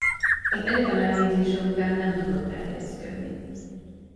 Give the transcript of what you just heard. Az egyetem elvégzése után nem tudott elhelyezkedni.